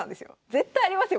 絶対ありますよ